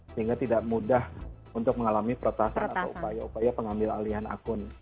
sehingga tidak mudah untuk mengalami peretasan atau upaya upaya pengambil alihan akun